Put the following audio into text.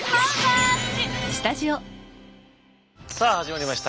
さあ始まりました。